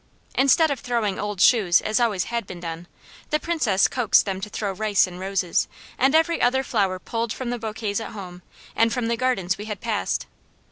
Instead of throwing old shoes, as always had been done, the Princess coaxed them to throw rice and roses, and every other flower pulled from the bouquets at home, and from the gardens we had passed.